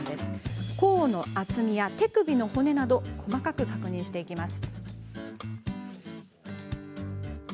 甲の厚みや手首の骨など細かく確認していきます。